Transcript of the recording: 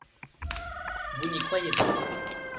Vous n’y croyez pas